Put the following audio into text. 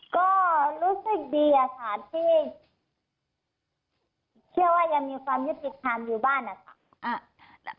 ก็รู้สึกดีอะค่ะที่เชื่อว่ายังมีความยุติธรรมอยู่บ้านนะคะ